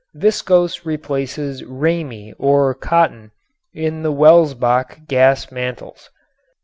Viscose replaces ramie or cotton in the Welsbach gas mantles.